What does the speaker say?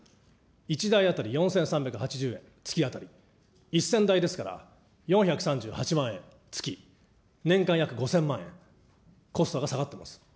１台当たり４３８０円月当たり、１０００台ですから、４３８万円、月、年間約５０００万円コストが下がってます。